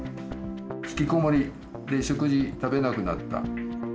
引きこもりで食事食べなくなった。